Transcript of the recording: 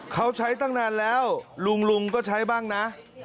เขาใช้ตั้งนานแล้วลุงก็ใช้บ้างนะ